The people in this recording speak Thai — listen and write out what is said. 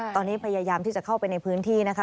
ตอนนี้พยายามที่จะเข้าไปในพื้นที่นะคะ